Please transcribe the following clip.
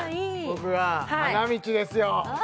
僕は花道ですよ！